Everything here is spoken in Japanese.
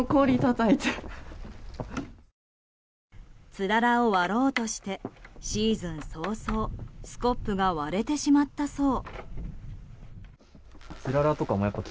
つららを割ろうとしてシーズン早々スコップが割れてしまったそう。